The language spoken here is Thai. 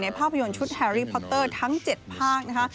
ในภาพยนต์ชุดแฮร์รี่พอตเตอร์ทั้ง๗ภาค